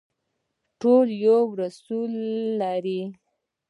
ټول یو رسول لري